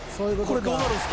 「これどうなるんですか？」